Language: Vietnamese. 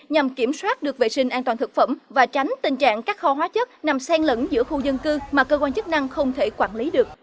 nhằm kiểm soát được vệ sinh an toàn thực phẩm và tránh tình trạng các kho hóa chất nằm sen lẫn giữa khu dân cư mà cơ quan chức năng không thể quản lý được